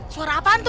suara apaan tuh